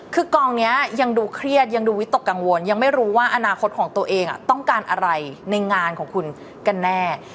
คือกองนี้ยังดูเครียดยังดูวิตกกังวลยังไม่รู้ว่าอนาคตของตัวเองต้องการอะไรในงานของคุณกันแน่